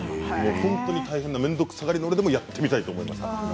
本当に大変な面倒くさがりな俺でもやってみたいと思いました。